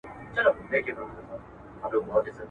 چي نه شرنګ وي د سازیانو نه مستي وي د رندانو !.